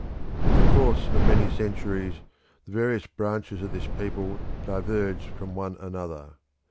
In the course of many centuries the various branches of this people diverged from one another.